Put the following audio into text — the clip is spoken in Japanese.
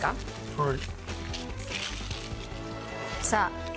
はい。